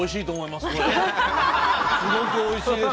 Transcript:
すごくおいしいです。